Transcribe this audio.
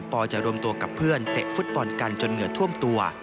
จะรวมตัวกับเพื่อนเตะฟุตบอลกันจนเหงื่อท่วมตัว